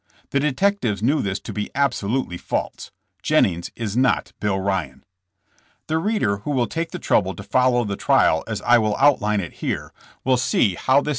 The detectives knew this to be absolutely false. Jennings is not Bill Ryan. The reader who will take the trouble to follow the trial as I will outline it here, will see how this 138 JESSB JAMES.